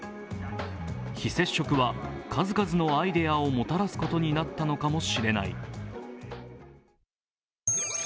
非接触は数々のアイデアをもたらすことになったのかもしれない。